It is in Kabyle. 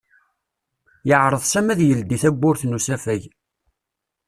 Yeɛreḍ Sami ad d-yeldi tawwurt n usafag.